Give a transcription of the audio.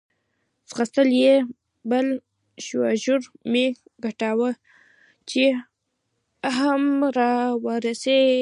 ځغستل یې، بل شاژور مې ډکاوه، چې هم را ورسېد.